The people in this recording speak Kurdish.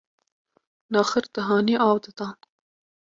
naxir dihanî av didan